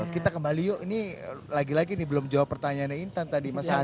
kita kembali yuk ini lagi lagi ini belum jawab pertanyaan intan tadi mas ari